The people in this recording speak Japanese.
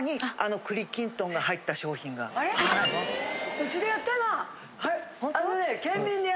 うちでやったなあ。